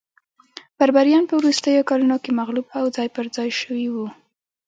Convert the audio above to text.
بربریان په وروستیو کلونو کې مغلوب او ځای پرځای شوي وو